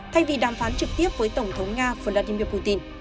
thay vì đàm phán trực tiếp với tổng thống nga vladimir putin